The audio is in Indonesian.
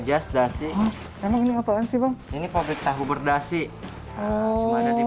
jas dasi emang ini otoen sih bang ini pabrik tahu berdasi cuma ada di